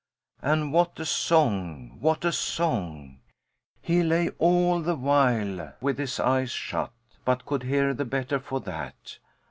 And what a song, what a song! He lay all the while with his eyes shut, but could hear the better for that.